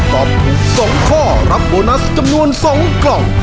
ตอบถูก๒ข้อรับโบนัสจำนวน๒กล่อง